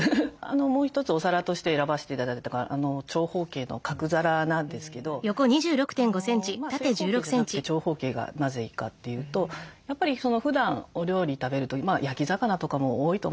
もう一つお皿として選ばして頂いた長方形の角皿なんですけど正方形じゃなくて長方形がなぜいいかというとやっぱりふだんお料理食べる時焼き魚とかも多いと思うんですよね。